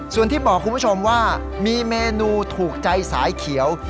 ส่วนที่บอกคุณผู้ชมว่ามีเมนูถูกใจสายเขียว